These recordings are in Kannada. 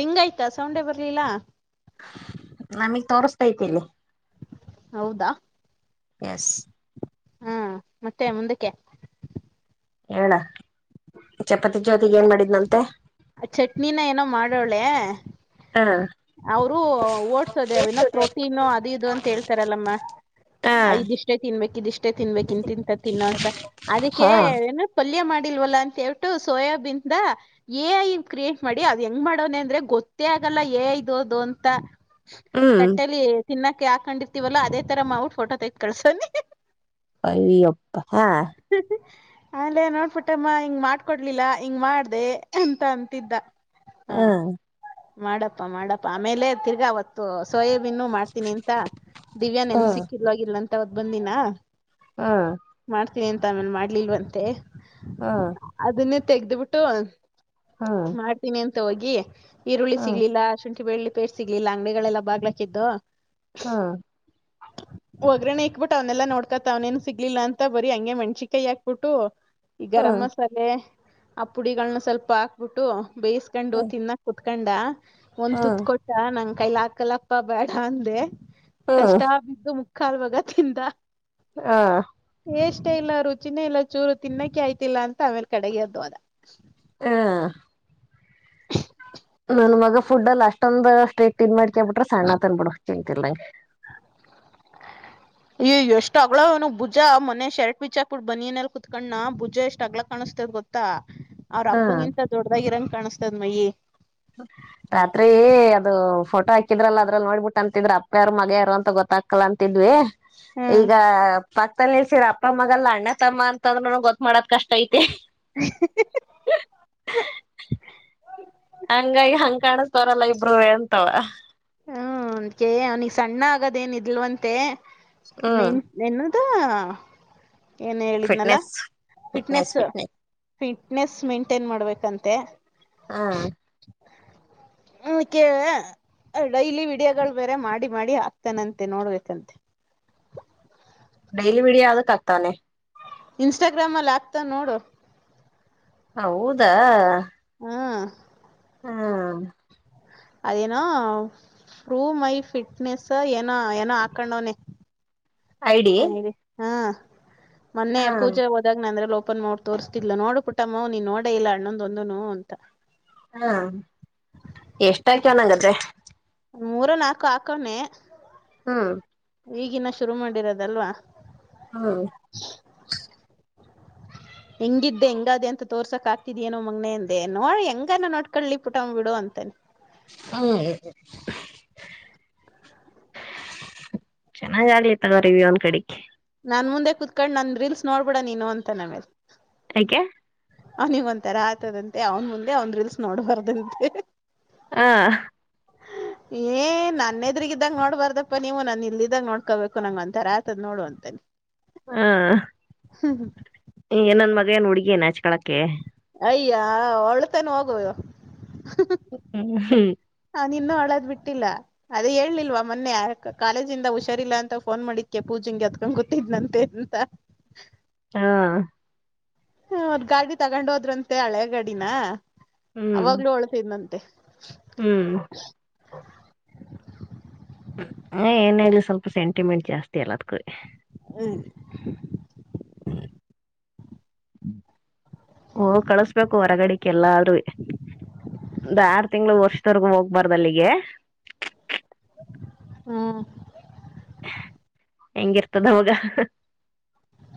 ರಿಂಗ್ಯ್ತಾ ಸೌಂಡೆ ಬರ್ಲಿಲ್ಲ ನಮಗ್ ತೋರ್ಸ್ತತಿಲ್ಲಿ ಹೌದಾ [unintelligible] ಹಾ ಮತ್ತೆ ಮುಂದಕ್ಕೆ ಹೇಳ ಚಪಾತಿ ಚೌತಿಗ್ ಏನ್ ಮಾಡಿದ್ನಂತ ಚಟ್ನಿನ ಏನೋ ಮಾಡೋಳೆ ಹಾ ಅವರು ಓಡ್ಸೋದೆ ಅವನ್ನ ಪ್ರೋಟೀನು ಅದು ಇದು ಅಂತ ಹೇಳ್ತಾರಲ್ಲಮ್ಮ ಹಾ ಇದಿಷ್ಟೇ ತಿನ್ಬೇಕಕ್ ಇದಿಷ್ಟೇ ತಿನ್ಬೇಕಕ್ ಇನ್ ತಿನ್ಂತ ತಿನ್ನೋ ಅಂತ ಅದಕ್ಕೆ ಹಾ ಏನ ಪಲ್ಯ ಮಾಡ್ ಲ್ವಲ್ಲ ಅಂತೇಟ್ಟು ಸೋಯಾಬೀನ್ ದ ಏ ಕ್ರಿಯೇಟ್ ಮಾಡಿ ಅದು ಹೆಂಗ್ ಮಾಡೋನ ಅಂದ್ರೆ ಗೊತ್ತೇ ಲ್ಲ ಏ ಐ ಇದುದು ಅಂತ ಹ್ಮ್ ತಟ್ಟಲಿ ತಿನ್ನಾಕ್ಕೆ ಹಾಕೊಂಡಿರ್ತಿವಲ್ಲ ಅದೇ ತರ ಮಾವುಟ್ ಫೋಟ ತೆಗೆ ಕಲ್ಸೋನ್ ಐ ಯಾ ಅಪ್ಪ ಹಾ ಆಲೆ ನೋಡ್ಬಿಟ್ಟಮ್ಮ ಹಿಂಗ್ ಮಾಡ್ಕೊಡ್ಲಿಲ್ಲ ಹಿಂಗ್ ಮಾಡ್ದ ಅಂತ ಅಂತಿದ್ದ ಹಾ ಮಾಡಪ್ಪಾ ಮಾಡಪ್ಪ ಆಮೇಲೆ ತಿರ್ಗಾ ಅವತ್ತು ಸೋಯಾಬೀನ್ ಮಾಡ್ತೀನಿ ಅಂತ ದಿವ್ಯಾ ನೆನ್ ಸಿಕ್ಕಿಲ್ವಾಗಿಲ್ಲ ಅಂತ ಹೊದ್ ಬಂದಿನಾ ಹ್ಮ ಎಂತ ಆಮೇಲೆ ಮಾಡ್ಲಿಲ್ವಂತೆ ಹಾ ತೆೆಗೆ್ದ್ ಬಿಿಟ್ಟು ಮಾಡ್ತೀನಿ ಅಂತ ಹೋಗಿ ಈರುಳ್ಳಿ ಹ್ಮ್ ಸಿಗ್ಲಿಲ್ಲ ಶುಂ ಬೆಳ್ಳಿ ಪೇರ್ ಸಿಗ್ಲಿಲ್ಲ ಅಂಗಡಿಗಳೆಲ್ಲ ಬ್ಾಕ್ಕಿದ್ದು ಹಾ ಹ ಒಗ್ಗರಣೆ ಇಕ್ಬಿಟ್ಟ ಅವನೆಲ್ಲ ನೋಡ್ಕತ ಅವ್ನೇನು ಸಿಗ್ಲಿಲ್ಲ ಅಂತ ಬರರಿ ಹಂಗೆ ಮಣ್ಿಕೈ ಹಾಕ್ಬಿಟ್ಟು ಈ ಗರಂ ಹ್ಮ್ ಮಸಾಲೆ ಆ ಪುಡಿಗಳನ್ನ ಸ್ವಲ್ಪ ಹಾಕ್ಬಿಟ್ಟು ಬೇಯಿಸಕೊಂಡು ಹ್ಮ್ ತಿನ್ನಾಕ್ ಕುಟ್ ಹಕೊಂಡ ಹ್ಮ್ ಒಂದ್ ಹ್ಮ್ ತತ್ ಕೊಟ್ಟ ನಂಗ ಕೈಲ ಹಾಕಲಪ್ಪ ಬೇಡ ಅಂದೆ ಹ್ಮ್ ಕಷ್ಟ ಬಿದ್ದು ಮುಕ್ಕಾಲ್ವಾಗ ತಿಿಂದ ಹಾ ೇಷ್ಟ ಎ ಇಲ್ಲ ರುಚಿಿನ ಇಲ್ಲ ಚೂರು ತಿನ್ನಕ್ಕೆೆ ಆಯ್ತಿಲ್ಲ ಅಂತ ಆಮೇಲೆ ಕಡೆಗೆ ಹದ್ದು ಅದ ಹಾ ನನ್ ಮಗ ಫುಡ್ ಅಷ್ಟೊಂದ್ ಸ್ಟೇಟ್ ಇನ್ ಮಾಡ್ಕಬ ಬಿಟ್ರೆ ಸಣ್ಣ ತಂದ್ಬಿಡ ತಿಂತಿಲಗೆ ಈ ಎಷ್ಟ್ ಅಗ್ಗಳನು ಭುಜ ಮನೆ ಶರ್ಟ್ ಬಿಚಾಕ್ ಬಿಡ್ ಬನ್ನಿ ನಲ್ ಕುೂತ್ಕಣ್ಣ ಭುಜ ಎಷ್ಟ್ ಅಗ್ಲ ಕಾಣಿಸತ ದ ಗೊತ್ತಾ ಅವ್ರ ಹ್ಮ್ ಅಪ್ಪಂಗಿಂತ ದೊಡ್ಡದಾಗಿ ಇರಂಗ ಕಾಣಸ್ತದ್ ಮಯಿ ರಾತ್ರಿ ಅದು ಫೋಟೋ ಹಾಕಿದ್ರಲ್ಲ ಅದ್ರಲ್ಲಿ ನೋಡ್ಬಿಟ್ಟು ಅಂತಿದ್ರ ಅಪ್ಪ ಯಾರರು ಮಗ ಯಾರು ಅಂತ ಗೊತ್ತ ತಕ್ಕಲ ಅಂತಿದ್ವಿ ಹ್ಮ್ ಈಗ ಪಕ್ಕಲ್ಲಿ ನಿಲ್ಸೀರ ಅಪ್ಪಮ್ಮಗಲ್ಲ ಅಣ್ಣ ತಮ್ಮ ಅಂತ ಅಂದ್ರರು ಗೊತ್ ಮಾಡೋದ ಕಷ್ಟ ಐತಿ ಹ ಹಂಗಾಗಿ ಹಂಗ ಕಾಣದ ತರಲ್ಲ ಇಬರು ಅಂತವ ಹ್ಮ ಅಂದಕ ಅವನಿಗೆ ಸಣ್ಣ ಆಗದೇಏನ್ ಇದಲ್ವಂತೆ ಹ್ಮ್ ಮೆಂಟ್ ನು ಏನ್ ಹೇಳಿದ್ನಲ್ಲ ಫಿಟ್ನೆಸ್ ಫಿಟ್ನೆಸ್ ಫಿಟ್ನೆಸ್ ಮೇಂಟೈನ್ ಮಾಡ್ಬೇಕಂತೆ ಹಾ ಹ್ಮ ಕೇಳ ಡೈಲಿ ವಿಡಿಯೋಗಳು ಬೇರೆ ಮಾಡಿ ಮಾಡಿ ಆಾಕ್ತಾನಂತೆ ನೋಡ್ಬೇಕಂತೆ ಡೈಲಿ ಮೀಡಿಯ ಆದಕ್ ಆಗ್ತಾನೆ ಇನ್ಸ್ಟಾಗ್ರಾಮಲ್ಲಿ ಆ್ಯಪ್ತ ನೋಡು ಹೌದಾ ಹಾ ಹ್ಮ ಅದೇನ ಪ್ರೂ್ ಮೈ ಫಿಟ್ನೆಸ್ ಏನ ಏನೋ ಹಾಕೊಂಡವನನೆ ಐಡಿ ಹರಿ ಹಾ ಮೊೆ ಹ್ಮ್ ಪೂಜೆ ಹೋದಾಗನೆ ಅಂದ್ರೆ ಲೋ ಪ್ಪ ನ್ಡ್ ತೋರ್್ತಿಿದ್ ನೋಡು ಪುಟ್ಟಮ್ಮ ನೀನ್ ನೋಡ ಇಲ್ಲ ಅಣ್ಣೊಂದೊಂದುನು ಅಂತ ಹಾ ಎಷ್ಟಾಕನಂಗಾದ್ರೆ ಮೂರ ನಾಲ್ಕು ಹಾಕಣೆ ಹಾ ಈಗಿನ ಶುರು ಮಾಡಿರೋದಲ್ವಾ ಹಾ ಹ ಹೆಂಗಿದ್ದೆ ಹೆಂಗಾದೆ ಅಂತ ತೋರ್ಸಕ್ ಆಗ್ತಿದ ಏನೋ ಮಗ್ನನೆಂದೆ ನೋಡ ಹೆಂಗಾನ ನೋಡ್ಕೊಳ್ಳಿ ಪುಟ್ ಬಿಡು ಅಂತಾನನೆ ಹಾ ಚೆನ್ನಾಗ್ ಆಲಿತದ ರವಿ ಒಂದ್ ಕಡೆಗೆ ನಾನ್ ಮುಂದೆ ಕುತ್ಕೊಂಡ್ ನನ್ ರೀಲ್ಸ್ ನೋಡ್ಬಿಡ ನೀನು ಅಂತ ನಮೇಲೆ ಕ್ಕೆ ಅವನಿಗ್ ಒಂತರ ಆತದಂತೆ ಅವ್ನ್ ಮುಂದೆ ಅವ್ನ್ ರೀಲ್ಸ್ ನೋಡ್ಬಾರ್ದಂತೆ. ಹಾ [inaudible] ಏ ನನ್ನೆದ್ರಗಿದ್ದಾಗ ನೋಡ್ಬಾರ್ದಪ್ಪ ನೀವು ನನ್ ಇಲ್ಲಿದಾಗ ನೋಡ್ಕೋಬೇಕು ನಂಗ ಒಂತಥರ ಆತದ್ ನೋಡುವಂತ ಹಾ ಈ ನನ್ ಮಗ ಏನು ಹುಡುಗಿನಾ ನಾಚ್ಕೊಳ್ಳಕ್ಕೆ ಅಯ್ಯ ಹೊಳತನ ಹೋಗು ಹ್ಮ್ ಅದ ಇನ್ನೂ ಅಳೋದ ಬಿಟ್ಟಿಲ್ಲ ಅದೇ ಹೇಳಲ್ಲಿಲ್ವ ಮೊನ್ನೆ ಕಾಲೇಜಿಂದ ಹುಷಾರಿಲ್ಲ ಅಂತ ಫೋನ್ ಮಾಡಿದಕ್ಕೆ ಜಿಂಗೆ ಎತ್ಕೊಂಡ್ ಕುತ್ತಿದ್ನಂತೆ ಅಂತ. ಹಾ ಹ್ಮ್ ಆದ ಗಾಡಿ ತಗೊಂಡ್ ಹೋದ್ರಂತೆ ಹಳೆ ಗಾಡಿನ ಹ್ಮ್ ಅವಾಗ್ಲು ಅಲ್ಟಿದ್ನಂತೆ. ಹ್ಮ್ ಹ ಏನ ಇದ್ರರು ಸ್ವಲ್ಪ ಸೆಂಟಿಮೆಂಟ್ ಜಾಸ್ತಿ ಅಲ್ಲ ಅದ್ಕೆ. ಹ್ಮ ಓ ಕಳ್ಸ್ಬೇಕು ಹೊರಗಡೆಕ್ಕೆ ಎಲ್ಲಾರುವೆ. ಒಂದ ಆರು ತಿಂಗಳ ವರ್ಷದವರ್ಗೂ ಹೋಗ್ಬಾರ್ದ ಅಲ್ಲಿಗೆ. ಹ್ಮ್ ಹೆಂಗಿರ್ತದ ಅವಾಗ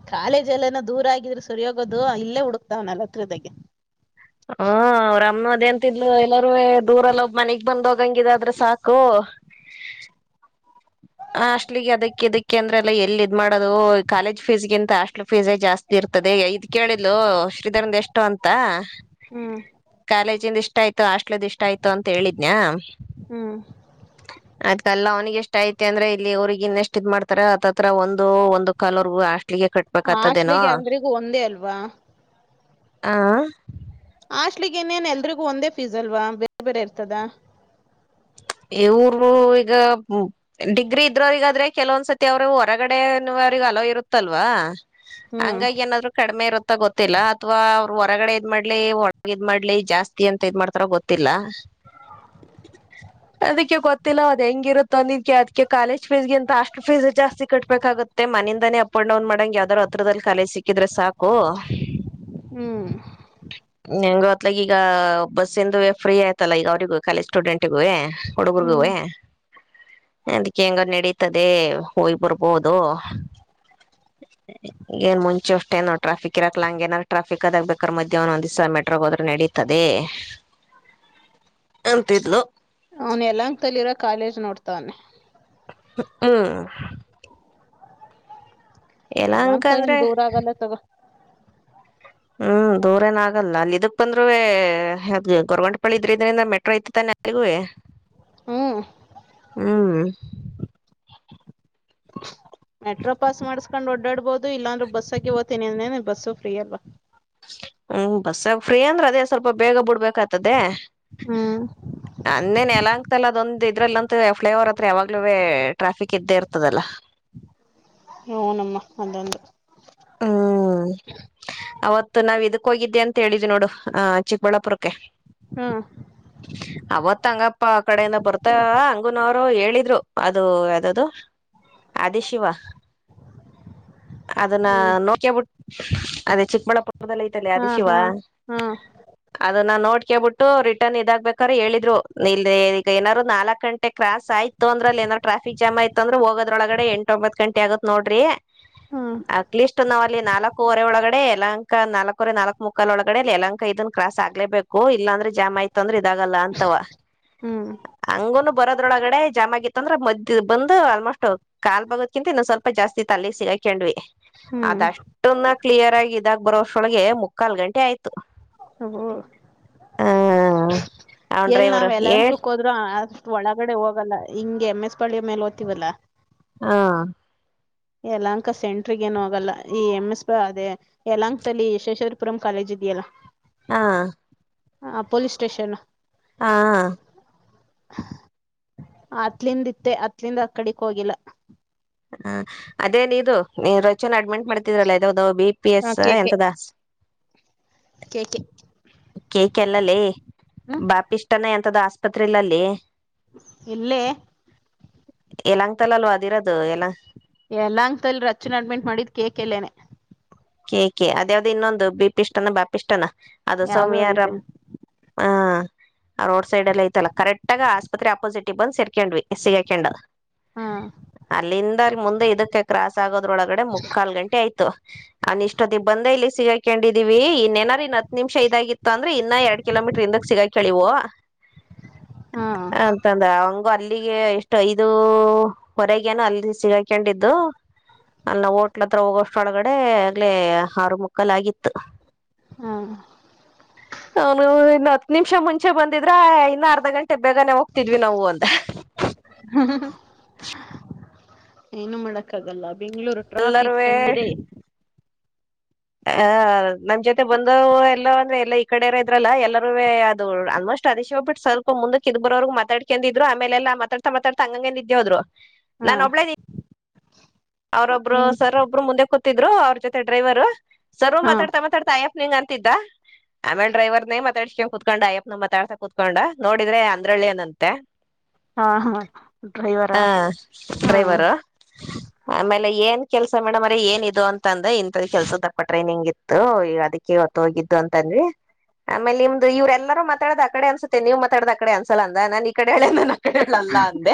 ಕಾಲೇಜ್ ಅಲ್ಲಿನ ದೂರ ಆಗಿದ್ರೂ ಸರಿಯೋಗೋದು ಇಲ್ಲೇ ಹುಡುಕ್ತಾವ್ನಾನಲ್ ಹತ್ರದಾಗೆ ಹ್ಮ ಅವ್ರಮ್ಮ ಅದೆ ಅಂತಿದ್ಲು ಎಲ್ಲಾರುವೆ ದೂರಲ್ಲೋಗ ಮನೆಗ್ ಬಂದ್ ಹೋಗಂಗಿದ ಆದ್ರೆ ಸಾಕು [unintelligible] [unintelligible] ಹಾಸ್ಟ್ಲಗೆ ಅದಕ್ಕೆ ಇದಕ್ಕೆ ಅಂದ್ರೆಲ್ಲ ಎಲ್ಲಿ ಇದ್ ಮಾಡೋದು ಕಾಲೇಜ್ ಫೀಸ್ಗಿಂತ ಹಾಸ್ಟ್ಲ್ ಫೀಸ್ ಜಾಸ್ತಿ ಇರೋದು. [inaudible] ಇದ್ ಕೇಳಿದ್ಲು ಶ್ರೀಧರದ್ ಎಷ್ಟು ಅಂತ. ಹ್ಮ್ ಕಾಲೇಜಿಂದ ಇಷ್ಟ ಆಯ್ತು ಹಾಸ್ಟ್ಲ್ದ ಇಷ್ಟ ಆಯ್ತು ಅಂತ ಹೇಳಿದ್ಯ್ನ. ಹ್ಮ್ ಅದ್ಕಲ್ಲ ಅವನಿಗೆ ಎಷ್ಟ ಆಯ್ತು ಯಾಕಂದ್ರ ಇಲ್ಲಿ ಅವ್ರಿಗೆ ಇನ್ನೆಷ್ಟ ಇದ್ ಮಾಡ್ತಾರ ಹತ್ತತ್ರ ಒಂದು ಒಂದು ಕಲರ್ಗೂ ಅಷ್ಟ ಇಗೆ ಕಟ್ಬೇಕತದೇನೋ ಹಾಸ್ಟ್ಲಿಗೆ ಎಲ್ರಿಗೂ ಒಂದೇ ಅಲ್ವಾ ಹ. ಹಾಸ್ಟೆಲ್ಗೆನ್ನೇನ್ ಎಲ್ರಿಗೂ ಒಂದೇ ಫೀಸ್ ಅಲ್ವಾ ಬೇರೆ ಬೇರೆ ಇರ್ತದ. ಇವರು ಈಗ ಡಿಗ್ರಿ ಇದ್ರೋರಗಾದ್ರೆ ಕೆಲವೊಂದ್ಸತಿ ಅವ್ರ ಹೊರಗಡೆ ಈಗ ಅವ್ರಿಗೆ ಅಲ್ಲೌ ಇರುತ್ತಲ್ವಾ ಹ್ಮ್ ಹಂಗಾಗಿ ಏನಾದ್ರು ಕಡಿಮೆ ಇರುತ್ತ ಅಂತ ಗೊತ್ತಿಲ್ಲ ಅಥವಾ ಅವ್ರರು ಹೊರಗಡೆ ಇದ್ ಮಾಡ್ಲಿ ಒಳಗ ಇದ್ ಮಾಡ್ಲಿ ಜಾಸ್ತಿ ಅಂತ ಇದ್ ಮಾಡ್ತಾರ ಗೊತ್ತಿಲ್ಲ. [unintelligible] ಅದಕ್ಕೆ ಗೊತ್ತಿಲ್ಲ ಅದ್ ಹೆಂಗಿರುತ್ತೋ ಅದ್ಕೆ ಅದ್ಕೆ ಕಾಲೇಜ್ ಫೀಸ್ಗೆ ಅಂತ ಅಷ್ಟು ಫೀಸ್ ಜಾಸ್ತಿ ಕಟ್ಬೇಕಾಗುತ್ತೆ. ಮನೆಯಿಂದಾನೇ ಅಪ್ ಅಂಡ್ ಡೌನ್ ಮಾಡಂಗೆ ಯಾವ್ದಾರ್ ಹತ್ರದಲ್ಲಿ ಕಾಲೇಜ ಸಿಕ್ಕಿದ್ರೆ ಸಾಕು. ಹ್ಮ್ ನಿಂಗೂ ಅತ್ಲಗೆ ಈಗ ಬಸ್ ಇಂದು ಫ್ರೀ ಆಯ್ತಲ್ಲ ಈಗ ಅವ್ರಿಗೂ ಕಾಲೇಜ್ ಸ್ಟೂಡೆಂಟಿಗೂವೆ. ಹ್ಮ್ ಒಡುಗುರ್ಗುವೇ. ಅದಕ್ಕೆ ಹೆಂಗೋ ನಡೀತದೆ ಹೋಗ್ ಬರ್ಬೋದು. ಏನ್ ಮುಂಚೆ ಅಷ್ಟೇನು ಟ್ರಾಫಿಕ್ ಇರಕ್ಲ ಹಂಗ ಏನಾದಾರು ಟ್ರಾಫಿಕ್ ಅದಾಗ [inaudible] ಮದ್ಯಾಹ್ನ ಒಂದ್ ದಿವ್ಸ ಮೆಟ್ರೋಗೆ ಹೋದ್ರೆ ನಡೀತದೆ. ಅಂತಿದ್ಲು. ನೋಡ್ತಾವ್ನೆ. ಹ್ಮ್ ಯಲಹಂಕ ಯಲಹಾಂಕ ಏನ್ ಅಂದ್ರೆ ದೂರ ಆಗಲ್ಲ ತೊಗೊ. ಹ್ಮ್ ದೂರ ಏನ ಆಗಲ್ಲ ಅಲ್ಲಿ ಇದಕ್ ಬಂದ್ರುವೆ ಅಲ್ಲಿ ಗೋರ್ವಂಟ್ ಪಳ್ಳಿ ಇದ್ರ ಇದ್ರಿಂದ ಮೆಟ್ರೋ ಇತ್ತು ತಾನೆ ಅಲ್ಲಿ [unintelligible] ಹ್ಮ್ [unintelligible] ಮೆಟ್ರೋ ಪಾಸ್ ಮಾಡಸ್ಕೊಂಡ್ ಓಡಾಡ್ಬಹುದು ಇಲ್ಲಾಂದ್ರೆ ಬಸ್ಸಗಿ ಹೋತಿನಿ ಅಂದ್ರನೇ [unintelligible] ಹ್ಮ್ ಬಸ್ಸಾಗ ಫ್ರೀ ಅಂದ್ರೆ ಅದೇ ಸ್ವಲ್ಪ ಬೇಗ ಬಿಡ್ಬೇಕು. ತದೆೇ ಅಂದೇ ನೆಲ ಯಲಹಂಕ ಅದೊಂದು. ಇದ್ರಲ್ಲಂತೂ ಫ್ಲೈ ಅವವರ್ ಹತ್ರ ಯಾವಾಗ್ಲೂ ಟ್ರಾಫಿಕ್ ಇದ್ದೇ ಇರ್ತದಲ್ಲ. ಹಊನಮ್ಮ ಅದೊಂದು. ಹ್ಮ್ ಅವತ್ತು ನಾವಿದ. ಹೋಗಿದ್ದೆ ಅಂತ ಹೇಳಿದ್ ನೋಡು ಆ ಚಿಕ್ಕಬಳ್ಳಾಪುರಕ್ಕೆ. ಅವತ್ ಹಂಗಪ್ಪ ಆ ಕಡೆಯಿಂದ ಬರ್ತಂಗ. ಗುನವರು ಹೇಳಿದ್ರು ಅದು ಯ್ದ್ದು ಆದಿ ಶಿವ. ಹಾ. ನ ಅದೇ ಚಿಕ್ಕಬಳ್ಳಾಪುರ. ಮೊದಲ ಐತಲ ಅದ ಹಾ ಶಿವ. ಹಾ ಹಾ ಅದನ್ನ ನೋಡ್ಕೇಬಿಟ್ಟು ರಿಟರ್ನ್ ಇದಾಗ್ಬೇಕಾರ ಹೇಳಿದ್ರು ಇ ಈಗ ಏನಾದ್ರು ನಾಲ್ಕ್ ಗಂಟೆ ಕ್ರಾಸ್ ಆಯ್ತು. ಇತ್ತ ಅಂದ್ರ ಅ ಏನ ್ರಫಿಕ್ಾಮ್ ಆಯತ ಅಂದ್ರ ಹೋಗದೊಳಡೆ ಎಂಟ ಒಂಬತ್ ಗಂಟೆ ಆಗತ್ ನೋ್ರಿ. ಹ್ಮ್ ಅಟ್ಲಿಸ್ಟ್ನಾವು. ಅಲ್ಲಿ ನಾಲ್ಕುವರೆ ಒಳಗಡೆ ಎಲಾಂಕ ನಾಲ್ಕವರೆ ನಾಲ್ಕಕ್ ಮುಕ್ಕಾಲ್ ಒಳಗಡೆ ಅಲ್ಲಿ ಎಲಾಂಕ ಇದನ್ ಕ್ರಾಸ್ ಆಗ್ಲೇಬೇಕು ಇಲ್ಲ. ಅಂದ್ರೆ ಜಾಮ ಆಯ್ತು ಅಂದ್ರೆ ಇದಾಗಲ್ಲ ಅಂತವ ಹ್ಮ್ ಹಂಗ ಬರದ. ಅದ್ರೊಳಗಡೆ ಜಾಮ್ ಆಗತ್ತು ಅಂದ್ರೆ ಮದ್ದ ಬಂದು ಆಲ್ಮೋಸ್ಟ್ ಕಾಲ್ ಬಗೋದಕಿಂತ ಇನ್ನ ಸ್ವಲ್ಪ ಜಾಸ್ತಿ ಇತ್ತು ಅಲ್ಲಿಗ್ ಸಿಗಾಕಂಡ್ವಿ. ಹ್ಮ್ ಅದಷ್ಟನ್ನ ಕ್ಲಿಯರ್ ಆಗಿ ಇದಾಗ ಬರೋಷ್ಟೊಳಗೆ ಮುಕ್ಕಾಲ್ ಗಂಟೆ ಆಯ್ತು. ಹ. ಆ ಅವನ್ ಎಲ್ ಡ್ರೈವರು ನಾವ್ ಎಲ್ಲಂದ ಹೇಳ್ ಕುೂಕ್ಕ ಹೋದ್ರು ಅಷ್ಟ ಒಳಗಡೆ ಹೋಗಲ್ಲ ಹಿಂಗಗೆ ಎಮ್ ಎಸ್. ಪ್ಪಳಿಯ ಮೇಲೆ ಓದ್ತವಲ್ಲ. ಹಾ. ಯಲಾಂಕ ಸೆಂಟ್ರಗ ಏನು ಹೋಗಲ್ಲ ಈ ಎಂ ಎಸ್ ಪ ಅದೇ ಯಲಾಂಕ್ಲ್ಲಿ ಯಶೇಶ್ವರಪುರಂ ಕಾಲೇಜ್. ಇಲ್ಲ. ಹಾ. ಹ ಪೊಲೀಸ್ ಸ್ಟೇಷನ್. ಹಾ. ಆತ್ಲಿಂದಿತ್ತೆ ಅತ್ಲಿಂದ ಅ ಕಡಿಕ ಹೋಗಿಲ್ಲ. ಹ ಅದೇನ್ ಇದು ನೀ ರಚುನ್ ಅಡ್ಮಿಂಟ್ ಮಾಡ್ತಿದ್ರಲ್ಲ ಇದಾವದಾವ ಬಿ ಪಿ ಹಾ ಎಸ್ ಕೇಕೆ ಎಂತದಾ. [unintelligible] ಕೇಕ್ ಎಲ್ಲಲೆ ಹ್ಮ್ ಬಾಪಿಷ್ಟಾನ ಎಂತದ ಆಸ್ಪತ್ರೆಲಲ್ಲಿ. ಇಲ್ಲೇ. ಎಲ್ಲಂಗ ತಲ ಅಲ್ವ ಅದಿರೋದು ಎಲ್ಲ. ಎಲ್ಲಂಗಂತಲ್ ಅಚ್ಚನ ಅಡ್ಮಿಟ್ ಮಾಡಿದ್ ಕೇೇಕ ಎಲ್ಲೇನೆ. ಕೇಕ ಅದ್ಯಾವ್ದ ಇನ್ನೊಂದು ಬಿೀಪಿ ಇಷ್ಟನ ಬಾಪಿ ಇಷ್ಟನಾ. ಅದು ಯಾವ್ದೋ ಐತೆ ಸೌಮ್ಯರಾಮ್ ಹಾ. ಆ ರೋಡ್ ಸೈಡ್ ಎಲ್ಲ ಐತಲ್ಲ ಕರೆಕ್ಟ್ ಆಗ ಆಸ್ಪತ್ರೆ ಅಪೋಸಿಟ್ ಗ್ ಬಂದ್ ಸೇರ್ಕೊಂಡ್ವಿ ಸಿಗಕಂಡ. ಹಾ ಅಲ್ಲಿಂದ್ರ ಮುಂದೆ ಇದಕ್ಕೆ ಕ್ರಾಸ್ ಆಗೋದ್ರೊಳಗಡೆ ಮುಕ್ಕಾಲ್ ಗಂಟೆ ಆಯ್ತು. ಅನ್ ಇಷ್ಟೊತ್ತಿಗೆ ಬಂದ ಇಲ್ಲಿ ಸಿಗಾಕೊಂಡಿದೀವಿ ಇನ್ನ್ನೆನಾರ ಇನ್ ಹತ್ತು ನಿಮಿಷ ಇದಾಗಿತ್ತು ಅಂದ್ರೆ ಇನ್ನ ಎರಡ್ ಕಿಲೋಮೀಟರ್ ಇಂದ. ಸಿಗ ಕಳವು ಹಾ ಅಂತಂದ ಅವ. ಅಲ್ಲಿಗೆ ಎಷ್ಟು ಐದು ಹೊರೆಗೇನು ಅಲ್ಲಿ ಸಿಗಾಕೊಂಡಿದ್ದು. ಅಲ್ಲ ಹೋಟ್ಲತ್ರ ಹೋಗೋಷ್ಟೊಳಗಡೆ ಆಗ್ಲೇ ಆರು ಮಕ್ಕಲ್ ಆಗಿತ್ತು. ಹ್ಮ. ಅವನು ಇನ್ ಹತ್ತು ನಿಮಿಷ ಮುಂಚೆ ಬಂದಿದ್ರೆ ಇನ್ನ ಅರ್ಧ ಗಂಟೆ ಬೇಗನೆ ಹೋಗ. ಿದ್ವಿ ನಾವು ಅಂತ. ಏನು ಮಾಡಕ್ಕಾಗಲ್ಲ ಬೆಂಗ್ಳೂರು ಟ್ರಾಫಿಕ್ ಎಲ್ಲರುವೆ ಹಂಗಿದೆ. ಹ ನಮ್ ಜೊತೆ ಬಂದ ಎಲ್ಲ ಅಂದ್ರೆ ಎಲ್ಲ ಈ ಕಡೆಾರ ಇದ್ರಲ್ಲ ಎಲ್ಲರೂ ಅದು ಆಲ್ಮೋಸ್ಟ್. ಅಷ್ಟ ಅದ ಹೋಗ ಬಿಟ್ಟ ಸ್ವಲ್ಪ ಮುಕ್ಕೆ ಇದ್ ಬೋವರು ಮಾತಾಡ್ಕೊಂಡ ಇದ್ ಆಮೇಲೆಲ್ಲಾ ಮಾತಾತಾ ಹಂಗಂದ ಇದೇವ್ರು. ಹಾ ನಾನು ಒಬ್ಳೇ್ದೀನಿ. ಅವ್ರೊಬ್ರು ನೀನ್ ಸರ್ ಒಬ್ರು ಮುಂದೆ ಕೂತಿದ್ರು ಅವ್ರ ಜೊತೆ ಡ್ರೈವರ್. ಸರು ಹಾ ಮಾತಾಡ್ತಾ ಮಾತಾಡ್ತಾ ಅಯ್ಯಪ್ ನಿಂಗ ಅಂತಿದ್ದ. ಆಮೇಲೆ ಡ್ರೈವರ್ನೆ ಮಾತಾಡ್ಸಕ ಕುತ್ಕೊಂಡ್ ಅ್ಯಪ್ಪನ ಮಾತಾಡ್ತಾ ಕುೂತ್ಕೊಂಡ ನೋಡುದ್ರೆ ಅಂದ್ರಳ್ಳಿ ಅವನಂತೆ. ಹಾ ಹಾ ಹ ಡ್ರೈವರಾ ಹಾ ಡ್ರೈವರು. ಆಮೇಲೆ ಏನ್ ಕೆಲ್ಸ ಮೇಡಮೋರೆ ಏನ್ ಇದು ಅಂತ ಅಂದ ಇಂಥದ ಕೆಲ್ಸದಪ್ಪ ಟ್ರೈನಿಂಗ್ ಇತ್ತು ಅದಕ್ಕೆ. [unintelligible] ತ್ತು ಹೋಗಿದ್ದು ಅಂತ ಬಂದ್ವಿ ಆಮೇಲೆ ನಿಮ್ದು ಇವ್ರ ಎಲ್ಲರೂ ಮಾತಡದ್ ಕಡೆ ಅಸುತ್ತೆ ನೀವು ಮಾತಾಡೋ ಆ ಕಡೆ ಅನ್ಸಲ್ಲ ಅ [unintelligible] ನಾನ ಈ ಕಡೆಳೆ ನಾನ ಆ ಕಡೆಳ್ ಅಲ್ಲ ಅಂದೆ.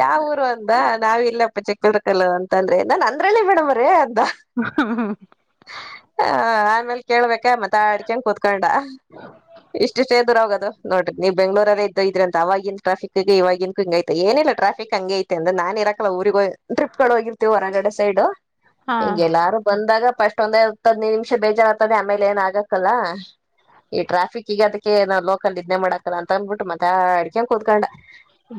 ಯಾವ ಊರು ಅಂದ ನಾವ್ ಇಲ್ಲೆಪ್ಪ ಚಿಕ್ ಬಿದ್ರುಕಲ್ಲು ಅಂತನದ್ರೆ ನಾನ್ ಅಂದ್ರ ಹೇಳಿ ಮೇಡಮೇರೆ ಅ ಹ್ಮ ಹ ಆಮೇಲ್ ಕೇಳ್ಬೇಕ ಮಾತಾಡ್ಕೊಂಡು ಕೂತ್ಕೊಂಡ. ಇಷ್ಟುಷ್ಟೇ ದೂರು ಹೊಗದು. ನೋಡಿ ನೀ ಬೆಂಗ್ಗಳೂರಲ್ಲ ಇದ್ದ ಇದ್ರ ಆವಾಗಿನ ಟ್ರಾಫಿಕ್ ಗೆ ಇವಾಗಿನ್ ಕ ಹಂಗೈತೆ ಏನಿಲ್ಲ. ಟ್ರಫಿಕ್ ಹಂಗೆ ಐತೆ ಅಂದ್ರ ನಾನಿರಕಿಲ್ಲ ಊರಿಗೆ ಹೊ ಟ್ರಿಪ್ಗಳು ಹೋಗಿರ್ತಿವಿ ಹೊರಗಡೆ ಸೈಡು ಹಾ ಹಿಂಗೆಲ್ಲಾರು ಬಂದಾಗ ಫಸ್ಟ್ ಒಂದಹತ್ತು ಹದಿನೈದ್ ನಿಮಿಷ. [unintelligible] ಕ್ಷ ಬೇಜಾರತದೆ ಆಮೇಲೆ ಏನ ಆಗಕ್ಕಲ್ಲ. ಈ ಟ್ರಾಫಿಕ್ ಈಗದಕ್ಕೆ ನಾ ಲೋಕಲ್ ಇದ್ನೆ ಮಾಡಾಕಿಲ್ಲ ಅಂತ ಅಂದಬಿಟ್ಟು ಮಾತಾಡ್ಕೊಂಡು ಕುತ್ಕೊಂಡ.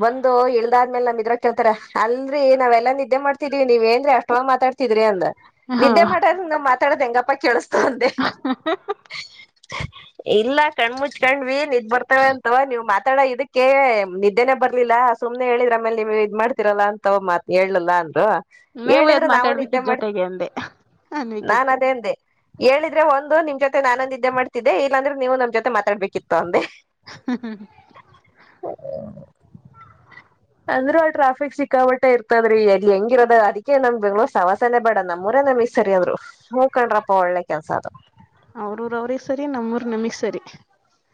ಬಂದು. ಅದ ಆದ್ಮೇಲೆ ನಮ ಇದ್ರಗ ಕೇಳ್ತಾರೆ ಅಲ್ರರಿ ನಾವೆಲ್ಲ ನಿದ್ದೆ ಮಾಡ್ತಿದ್ವಿ ನೀವ ಏನ್ರೀ ಅಷ್ಟೊಂದು ಮಾತಾಡ್ತಿದ್ರಿ ಅಂದ. ಹಾ ನಿದ್ದೆ ಮಾಡೋರು ನಾವು ಮಾತಾಡೋದು ಹೆಂಗಪ್ಪ. ಹಹಹ ಇಲ್ಲ ಕಣ ಮುಚ್ಕಂಡ್ವಿ ನಿದ್ದ್ ಬರ್ತವ ಅಂತ ನೀವ್ ಮಾತಾಡ ಇದಕ್ಕೆ ನಿದ್ದೇನೆ ಬರ್ಲಿಲ್ಲ ಸು. [unintelligible] ಮ್ನೆ ಹೇಳಿದ್ರ ಆಮೇಲೆ ನೀವು ಇದ್ ಮಾಡ್ತಿರಲ್ಲಾ ಅಂತ ಮಾತ್ ಹೇಳಲ್ಲಾ ಅಂದ್ರು. ನೀವು ಎದ್ ಹೇಳಿದ್ರೆ ನಾವನ್ ನಿದ್ದೆ ಮಾತಾಡ್ಬೇಕಿದ್ ಮಾಡ್ತ ಜೊತೆಗೆ ಅಂದೆ ನಾನು ಅನ್ಬೇಕಿತ್ತು ಅದೇ ಅಂದೆ. ಹೇಳಿದ್ರೆ ಒಂದು ನಿಮ್ ಜೊತೆ ನಾನು ನಿದ್ದೆ ಮಾಡ್ತಿದ್ದೆ ಇಲ್ಲಾಂದ್ರೆ ನೀವು ನಮ್ ಜೊತೆ ಮಾತಾಡ್ಬೇಕಿತ್ತು ಅಂದೆ. ಹ ಅಂದ್ರು ಅಲ್ಲಿ ಟ್ರಾಫಿಕ್ ಸಿಕ್ಕಾ ಪಟ್ಟೆ ಇರ್ತದ್ರೀ ಎಲ್ಲಿ ಹೆಂಗಿರದ ಅದಕ್ಕೆ ನಂಗೆ ಬೆಂಗಳೂರು ಸಮವಾಸಾನೇ ಬೇಡ ನಮ್ಮೂರೇ ನಮಗ್ ಸರಿಯಾದ್ರು ಹೂ ಕೊಂಡ್ರಪ್ಪ ಒಳ್ಳೆ ಕೆಲ್ಸ ಅದು. ಅವ್ರೂರ್ ಅವ್ರಿಗೆ ಸರಿ ನಮ್ಮೂರ್ ನಮಗ್ ಸರಿ.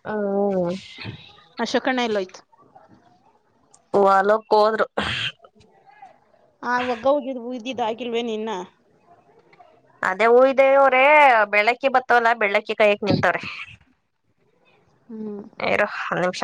ಹಾ ಅಶೊ. ಕಣ್ಣ ಎಲ್ಲೋಯ್ತು ವಲಕ್ ಹೋದ್ರು. ಆ ಒಗ್ಗ ಹೋಗಿದ್ ಉಯ್ದಿದ್ದು ಆಗಿಲ್ವೇನ್ ಇನ್ನ. ಅದೇ ಉಯ್ದವ್ರೆ ಬೆಳ್ಳಕ್ಕಿ ಬತ್ತವಲ್ಲಾ ಬೆಳ್ಳಕ್ಕಿ ಕಾಯಕ್ ನಿಂತವ್ರೆ. ಹ್ಮ್ ಇರು ಒಂದ್ ನಿಮಿಷ.